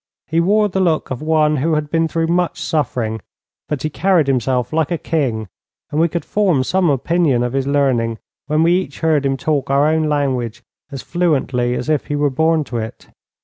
He wore the look of one who had been through much suffering, but he carried himself like a king, and we could form some opinion of his learning when we each heard him talk our own language as fluently as if he were born to it.